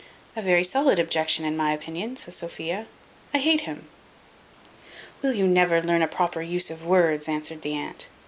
"A very solid objection, in my opinion," says Sophia "I hate him." "Will you never learn a proper use of words?" answered the aunt.